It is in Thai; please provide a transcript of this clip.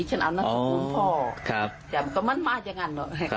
ข้านั่งนามสกุลพ่อก็มั่นมาดอย่างงั้น